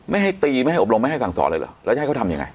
ให้ตีไม่ให้อบรมไม่ให้สั่งสอนเลยเหรอแล้วจะให้เขาทำยังไง